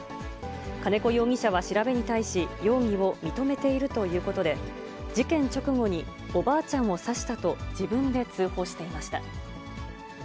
金子容疑者は調べに対し、容疑を認めているということで、事件直後に、おばあちゃんを刺したと自分で通報していました。